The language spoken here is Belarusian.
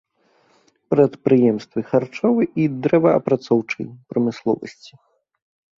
Прадпрыемствы харчовай і дрэваапрацоўчай прамысловасці.